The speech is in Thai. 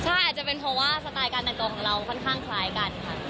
ใช่อาจจะเป็นเพราะว่าสไตล์การแต่งตัวของเราค่อนข้างคล้ายกันค่ะ